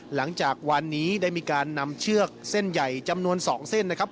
หลังจากวันนี้ได้มีการนำเชือกเส้นใหญ่จำนวน๒เส้นนะครับ